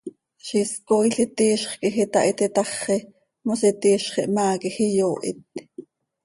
Ziix is cooil iti iizx quij itahit itaxi, mos iti iizx ihmaa quij iyoohit.